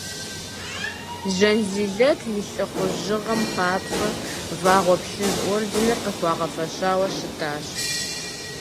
Жанзилэт и лӏыхъужьыгъэм папщӏэ, Вагъуэ Плъыжь орденыр къыхуагъэфэщауэ щытащ.